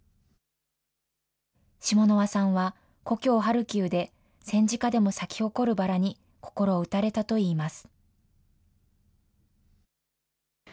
シモノワさんは、故郷ハルキウで戦時下でも咲き誇るバラに心をうたれたといいます。